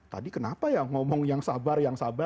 tadi kenapa ya ngomong yang sabar